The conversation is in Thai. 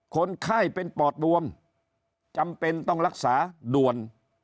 คนไข้เป็นปอดบวมจำเป็นต้องรักษาด่วน